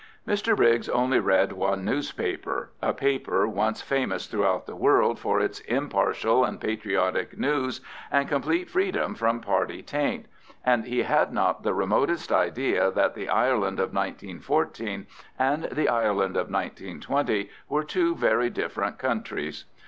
Mr Briggs only read one newspaper,—a paper once famous throughout the world for its impartial and patriotic news and complete freedom from party taint,—and he had not the remotest idea that the Ireland of 1914 and the Ireland of 1920 were two very different countries.